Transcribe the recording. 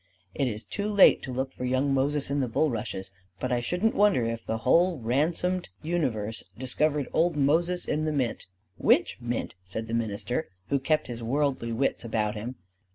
It is too late to look for young Moses in the bulrushes; but I shouldn't wonder if the whole ransomed universe discovered old Moses in the mint." "Which mint?" said the minister, who kept his worldly wits about him.